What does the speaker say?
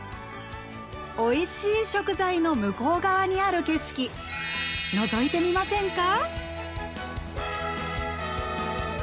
「おいしい」食材の向こう側にある景色のぞいてみませんか？